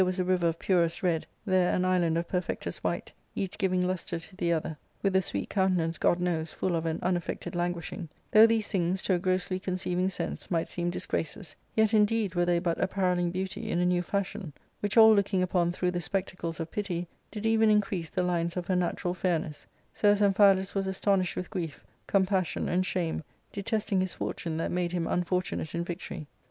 — Book IIL was a river of purest red, there an island of perfectest white, each giving lustre to the other, with the sweet counten ance, God knows, full of an unaffected languishing ; though these things, to a grossly conceiving sense, might seem dis graces, yet indeed were they but apparelling beauty in a new fashion, which all looking upon through the spectacles of pity, did even increase the lines of her natural fairness, so as Amphialus was astonished with grief, compassion, and shame, detesting his fortune that made him unfortunate in victory.